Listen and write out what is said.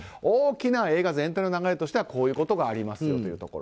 大きな映画全体の流れとしてはこういうところがありますよと。